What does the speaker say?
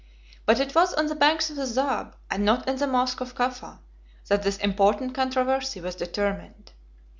But it was on the banks of the Zab, and not in the mosch of Cufa, that this important controversy was determined.